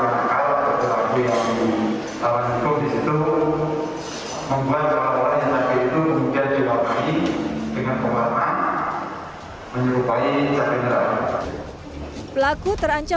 di situ membuat warna cabai itu menjadi lebih dengan kewarnaan menyerupai cabai